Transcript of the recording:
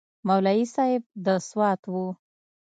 مولوي صاحب د سوات و.